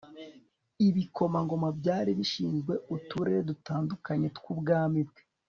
Ibikomangoma byari bishinzwe uturere dutandukanye twubwami bwe